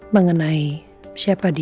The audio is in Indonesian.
mengenai siapa dia